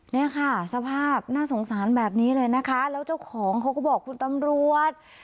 เนี่ยค่ะสภาพน่าสงสารแบบนี้เลยนะคะแล้วเจ้าของเขาก็บอกคุณตำรวจ